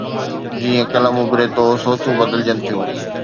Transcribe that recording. جيئن قلم اڀري ٿو، سوچون بدلجن ٿيون